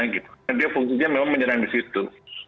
jadi fungsinya memang menyerang di situ